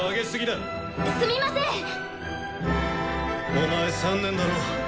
お前３年だろ？